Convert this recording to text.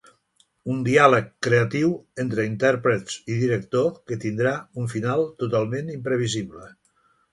Un diàleg creatiu entre intèrprets i director que tindrà un final totalment imprevisible.